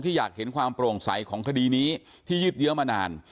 อยากเห็นความโปร่งใสของคดีนี้ที่ยืดเยอะมานาน